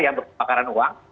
yang bakaran uang